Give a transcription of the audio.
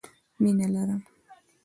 مينه لرم